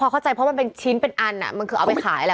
เข้าใจเพราะมันเป็นชิ้นเป็นอันมันคือเอาไปขายแหละ